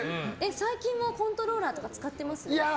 最近はコントローラーとか使ってます？